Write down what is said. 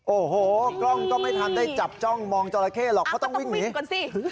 โอ้โหกล้องก็ไม่ทันได้จับจ้องมองจราเข้หรอกเขาต้องวิ่งหนีก่อนสิ